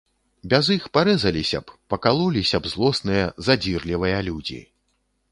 Без іх парэзаліся б, пакалоліся б злосныя, задзірлівыя людзі.